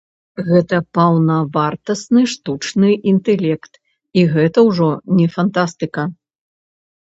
Гэта паўнавартасны штучны інтэлект, і гэта ўжо не фантастыка.